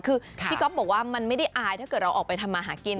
คือพี่ก๊อฟบอกว่ามันไม่ได้อายถ้าเกิดเราออกไปทำมาหากิน